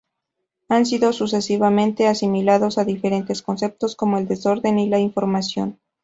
Han sido, sucesivamente, asimilados a diferentes conceptos, como el desorden y la información.